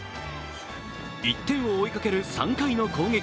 １点を追いかける３回の攻撃。